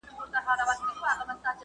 که په شپه د زکندن دي د جانان استازی راغی.